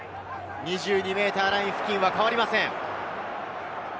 ２２ｍライン付近は変わりません。